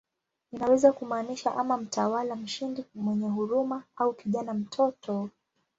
Inaweza kumaanisha ama "mtawala mshindi mwenye huruma" au "kijana, mtoto".